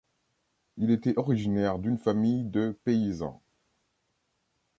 Il était originaire d'une famille de paysans.